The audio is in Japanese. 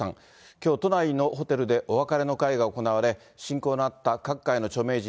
きょう、都内のホテルでお別れの会が行われ、親交のあった各界の著名人